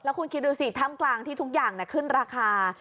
คุณคิดดูสิถ้ำกลางที่ทุกอย่างขึ้นราคา